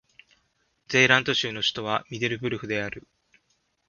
ゼーラント州の州都はミデルブルフである